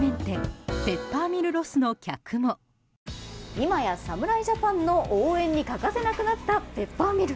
今や侍ジャパンの応援に欠かせなくなったペッパーミル。